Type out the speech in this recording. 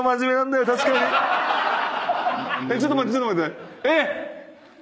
ちょっと待ってちょっと待って。